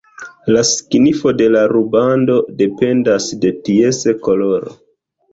La signifo de la rubando dependas de ties koloro.